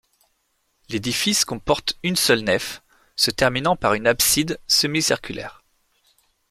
L'édifice comporte une seule nef se terminant par une abside semi circulaire.